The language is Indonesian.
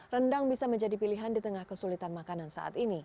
rendang bisa menjadi pilihan di tengah kesulitan makanan saat ini